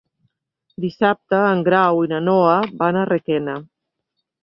Dissabte en Grau i na Noa van a Requena.